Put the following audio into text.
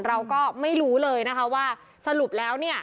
เราก็ไม่รู้เลยว่าสรุปแล้ว